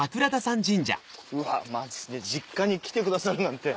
うわマジで実家に来てくださるなんて。